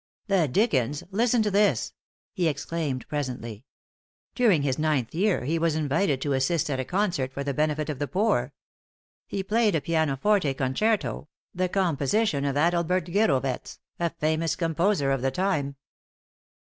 "The dickens! Listen to this!" he exclaimed, presently. "'During his ninth year he was invited to assist at a concert for the benefit of the poor. He played a pianoforte concerto, the composition of Adalbert Gyrowetz, a famous composer of the time.